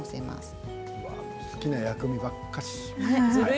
好きな薬味ばっかり。